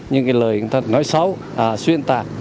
những cái lời nói xấu xuyên tạc